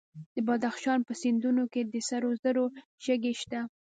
د بدخشان په سیندونو کې د سرو زرو شګې شته.